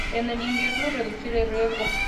En el invierno reducir el riego.